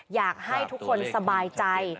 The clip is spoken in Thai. อยากให้ทุกคนสบายใจ